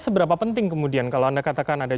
seberapa penting kemudian kalau anda katakan ada